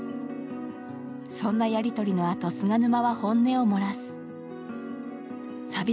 そんなやり取りのあと、菅沼は本音を漏らす。